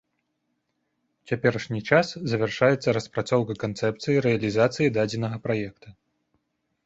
У цяперашні час завяршаецца распрацоўка канцэпцыі рэалізацыі дадзенага праекта.